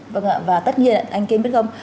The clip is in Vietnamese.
vâng ạ và tất nhiên anh kêm biết không